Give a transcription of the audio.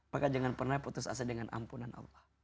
maka jangan pernah putus asa dengan ampunan allah